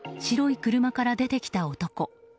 白い車から出てきた男。